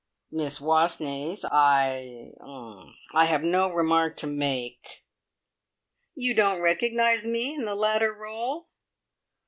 "Miss Wastneys, I er I have no remark to make." "You don't recognise me in the latter role?"